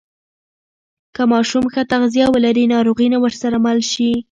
که ماشوم ښه تغذیه ولري، ناروغي نه ورسره مل شي.